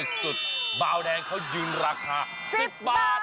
สุดบาวแดงเขายืนราคา๑๐บาท